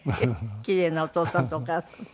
キレイなお父さんとお母さん。